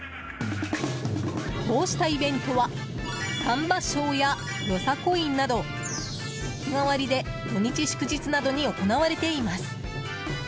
こうしたイベントはサンバショーや、よさこいなど日替わりで土日祝日などに行われています。